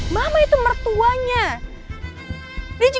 mama terpaksa elsa